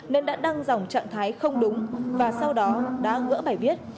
nên đã đăng dòng trạng thái không đúng và sau đó đã gỡ bài viết